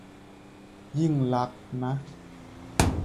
ยิ่งลักษณ์นะ